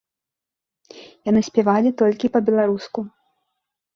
Яны спявалі толькі па-беларуску.